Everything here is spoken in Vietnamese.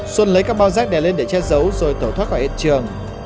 xuân lấy các bao rác đè lên để che giấu rồi tẩu thoát khỏi hiện trường